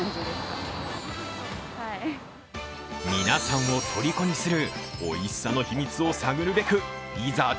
皆さんをとりこにする、おいしさの秘密を探るべくいざ